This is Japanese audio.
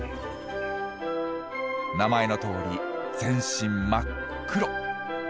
名前のとおり全身真っ黒。